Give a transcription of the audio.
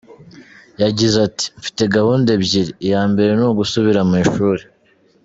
Yagize ati “Mfite gahunda ebyiri, iya mbere ni ugusubira mu ishuri.